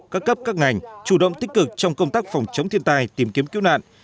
các cấp các ngành chủ động tích cực trong công tác phòng chống thiên tai tìm kiếm cứu nạn